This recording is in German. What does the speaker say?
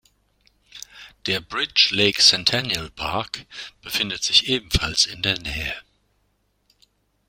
Der Bridge Lake Centennial Park befindet sich ebenfalls in der Nähe.